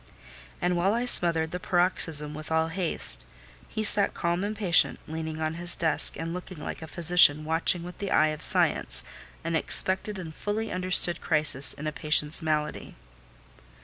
And while I smothered the paroxysm with all haste, he sat calm and patient, leaning on his desk, and looking like a physician watching with the eye of science an expected and fully understood crisis in a patient's malady.